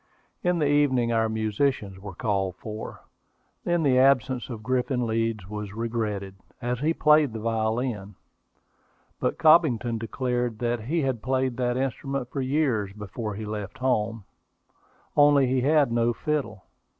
In the evening our musicians were called for. Then the absence of Griffin Leeds was regretted, as he played the violin; but Cobbington declared that he had played that instrument for years before he left home: only he had no fiddle.